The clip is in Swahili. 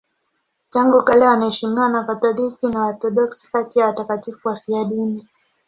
Tangu kale wanaheshimiwa na Wakatoliki na Waorthodoksi kati ya watakatifu wafiadini.